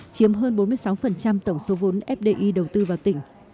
chiếm hơn bốn mươi sáu tổng số vốn fdi đầu tư vào tỉnh